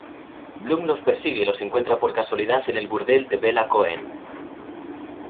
Bloom los persigue y los encuentra por casualidad en el burdel de Bella Cohen.